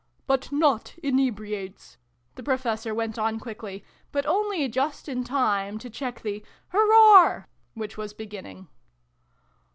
" but not inebriates !" the Professor went on quickly, but only just in time to check the " Hooroar !" which was beginning.